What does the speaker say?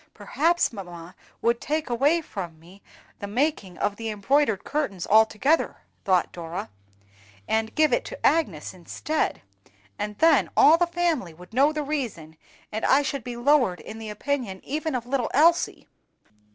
"Perhaps mamma would take away from me the making of the embroidered curtains altogether," thought Dora, "and give it to Agnes instead; and then all the family would know the reason, and I should be lowered in the opinion even of little Elsie!